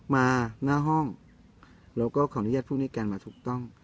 มาหน้าห้องแล้วก็ขออนุญาตพวกนี้กันมาถูกต้อง